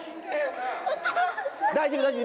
大丈夫大丈夫。